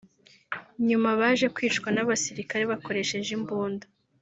nyuma baje kwicwa n’abasirikare bakoresheje imbunda